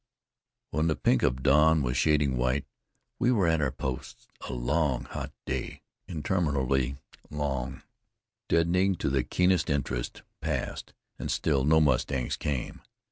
When the pink of dawn was shading white, we were at our posts. A long, hot day interminably long, deadening to the keenest interest passed, and still no mustangs came.